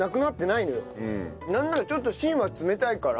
なんならちょっと芯は冷たいから。